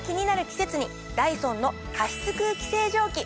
季節にダイソンの加湿空気清浄機。